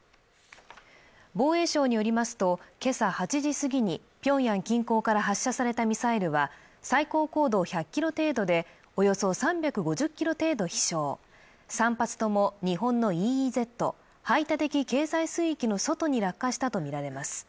防衛省によりますと、今朝８時過ぎにピョンヤン近郊から発射されたミサイルは最高高度１００ｋｍ程度でおよそ３５０ｋｍ程度飛しょう３発とも日本のＥＥＺ＝排他的経済水域の外に落下したとみられます。